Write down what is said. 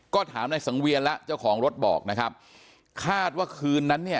ก็ถามในสังเวียนแล้วเจ้าของรถบอกนะครับคาดว่าคืนนั้นเนี่ย